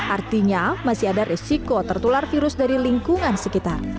artinya masih ada resiko tertular virus dari lingkungan sekitar